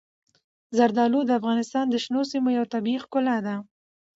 زردالو د افغانستان د شنو سیمو یوه طبیعي ښکلا ده.